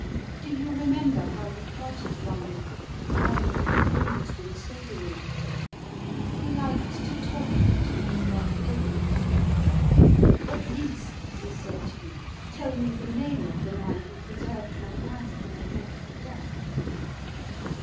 Do you remember how you parted from him burned and bruised in saving me? He liked to talk of it in his last illness. 'At least,' he said to you, 'tell me the name of the man who preserved my wife from a dreadful death.'